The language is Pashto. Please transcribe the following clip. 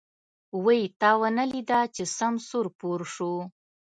وی تا ونه ليده چې سم سور و پور شو.